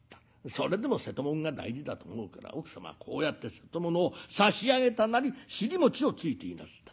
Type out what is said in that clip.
それでも瀬戸物が大事だと思うから奥様はこうやって瀬戸物を差し上げたなり尻餅をついていなすった。